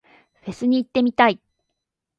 フェスに行ってみたい。